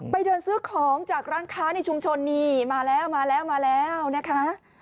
ไปเดินซื้อของจากร้านค้าในชุมชนนี่มาแล้วนะคะ